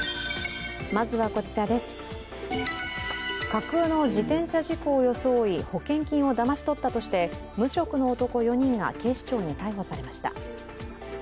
架空の自転車事故を装い保険金をだまし取ったとして無職の男４人が警視庁に逮捕されました。